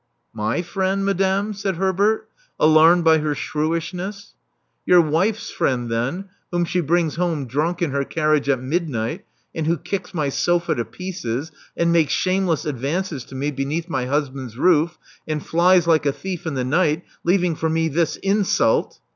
''My friend, madame!" said Herbert, alarmed by her shrewishness. *'Your wife's friend, then, whom she brings home drunk in her carriage at midnight, and who kicks my sofa to pieces, and makes shameless advances to me beneath my husband's roof, and flies like a thief in the night, leaving for me this insult."